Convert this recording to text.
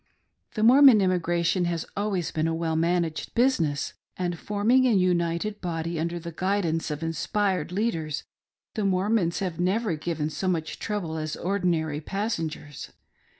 The Mormon emigration has always been a well managed business ; and, forming a' united body, under the guidance of inspired leaders, the Mormons have never given so much trouble as ordinary passengers.